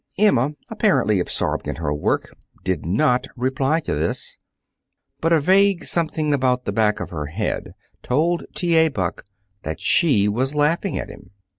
Emma, apparently absorbed in her work, did not reply to this. But a vague something about the back of her head told T. A. Buck that she was laughing at him.